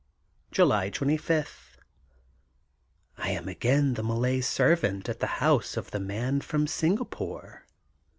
July 25: — ^I am again the Malay servant at the house of the Man from Singapore.